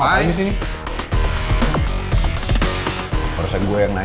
gara gara naomi gue sempet ngejauh dari pangeran